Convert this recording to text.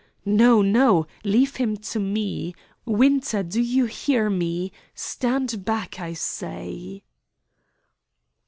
"No, no. Leave him to me. Winter, do you hear me? Stand back, I say."